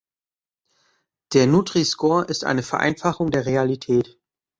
Der Nutriscore ist eine Vereinfachung der Realität.